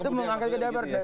betul mengangket ke dpr